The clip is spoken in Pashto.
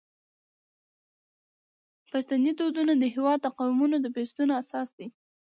پښتني دودونه د هیواد د قومونو د پیوستون اساس دي.